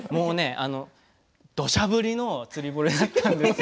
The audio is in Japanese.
どしゃ降りの釣堀だったんですよ。